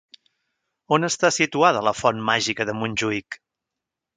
On està situada la Font màgica de Montjuïc?